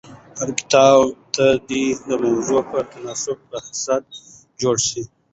هر کتاب ته دي د موضوع په تناسب فهرست جوړ سي.